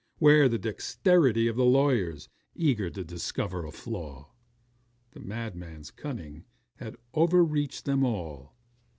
Where the dexterity of the lawyers, eager to discover a flaw? The madman's cunning had overreached them all.